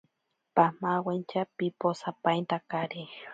Pamawentya piposapaintakari.